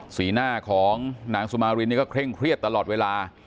สีหน้าของนางสุมารินนี่ก็เคร่งเครียดตลอดเวลา